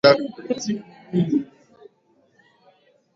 The apology episode is widely circulated on video-sharing sites like YouTube.